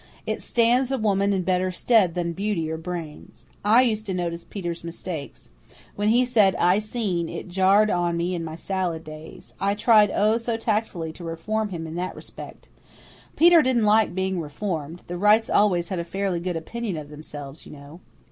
It stands a woman in better stead than beauty or brains. I used to notice Peter's mistakes. When he said 'I seen,' it jarred on me in my salad days. I tried, oh, so tactfully, to reform him in that respect. Peter didn't like being reformed the Wrights always had a fairly good opinion of themselves, you know.